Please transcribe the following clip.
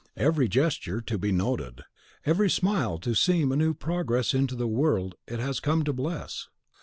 Every gesture to be noted, every smile to seem a new progress into the world it has come to bless!